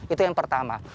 itu yang pertama